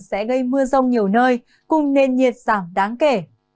sẽ gây mưa rông nhiều nơi cùng nền nhiệt giảm đáng kể